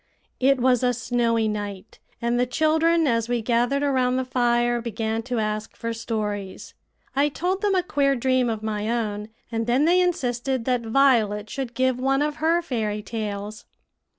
It was a snowy night, and the children, as we gathered around the fire, began to ask for stories. I told them a queer dream of my own, and then they insisted that Violet should give one of her fairy tales.